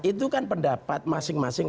itu kan pendapat masing masing